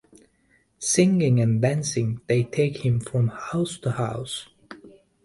Singing and dancing, they take him from house to house.